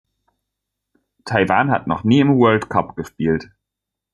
Taiwan hat noch nie im World Cup gespielt.